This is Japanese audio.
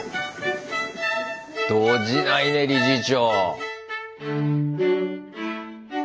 動じないね理事長。